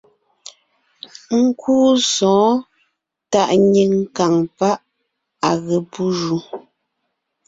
Nkúu sɔ̌ɔn tàʼ nyìŋ kàŋ páʼ à ge pú ju.